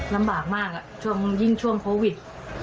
ลำบากมากช่วงยิ่งช่วงโควิด